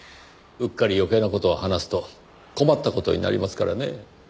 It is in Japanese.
うっかり余計な事を話すと困った事になりますからねぇ。